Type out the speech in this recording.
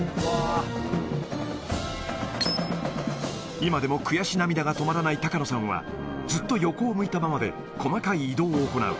今でも悔し涙が止まらない高野さんは、ずっと横を向いたままで、細かい移動を行う。